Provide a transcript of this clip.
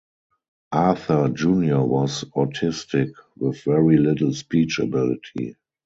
Arthur Junior was autistic, with very little speech ability.